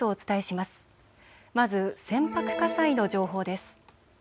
まず船舶火災の情報です。